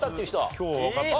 今日はわかった。